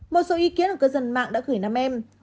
một số ý kiến của cư dân mạng đã gửi năm em